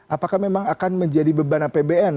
apakah memang akan menjadi beban apbn